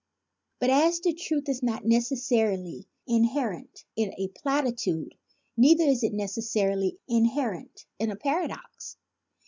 But as the truth is not necessarily inherent in a platitude, neither is it necessarily inherent in a paradox.